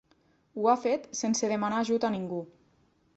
Ho ha fet sense demanar ajut a ningú.